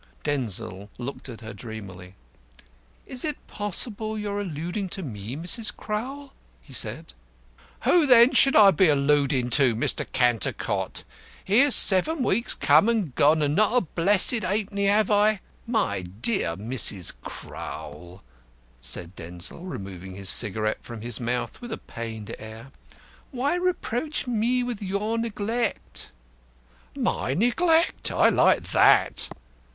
Denzil looked at her dreamily. "Is it possible you are alluding to me, Mrs. Crowl?" he said. "Who then should I be alludin' to, Mr. Cantercot? Here's seven weeks come and gone, and not a blessed 'aypenny have I " "My dear Mrs. Crowl," said Denzil, removing his cigarette from his mouth with a pained air, "why reproach me for your neglect?" "My neglect! I like that!"